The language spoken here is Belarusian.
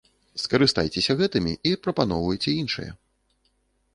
Скарыстайцеся гэтымі і прапаноўвайце іншыя.